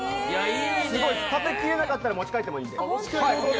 食べ切れなかったら持ち帰ってもいいです。